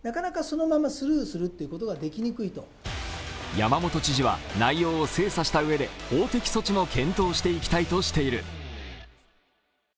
山本知事は内容を精査したうえで法的措置も検討していきたいとしている。